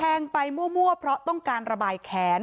งไปมั่วเพราะต้องการระบายแขน